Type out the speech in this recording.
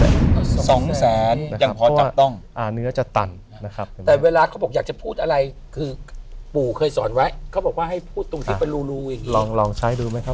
สองแสนก็พอจะต้องอาเนื้อจะตันนะครับแต่เวลาข้อบริกษณ์จะพูดอะไรบุค่อยทรวจเรียกเขาบอกว่าให้พูดตรงที่บันลูงค่อยลองลองใช้ดูไหม